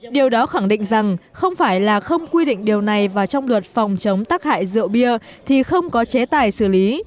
điều đó khẳng định rằng không phải là không quy định điều này và trong luật phòng chống tắc hại rượu bia thì không có chế tài xử lý